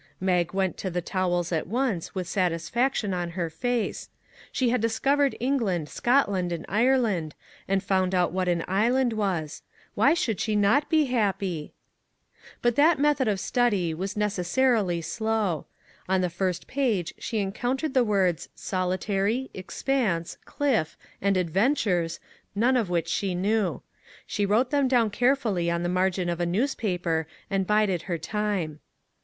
Mag went to the towels at once, with satis faction on her face. She had discovered Eng land, Scotland and Ireland, and found out what an island was. Why should she not be happy ? But that method of study was necessarily slow. On that first page she encountered the words "solitary," "expanse," "cliff" and " adventures," none of which she knew. She wrote them down carefully on the margin of a newspaper and bided her time.